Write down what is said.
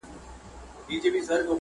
باز له ليري را غوټه له شنه آسمان سو،